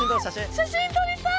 写真撮りたい！